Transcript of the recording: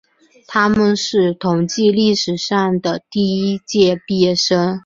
他们是同济历史上的第一届毕业生。